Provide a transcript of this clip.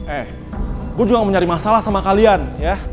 eh gue juga mau nyari masalah sama kalian ya